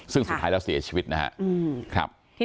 ซึ่งสุดท้ายแล้วเสียชีวิตนะครับ